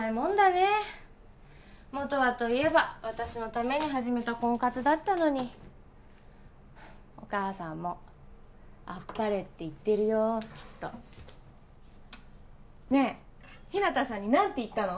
ねもとはといえば私のために始めた婚活だったのにお母さんも「あっぱれ」って言ってるよきっとねえ日向さんに何て言ったの？